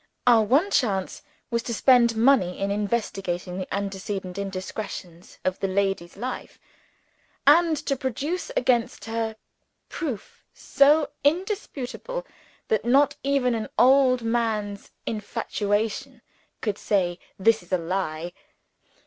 Our one chance was to spend money in investigating the antecedent indiscretions of the lady's life, and to produce against her proof so indisputable that not even an old man's infatuation could say, This is a lie.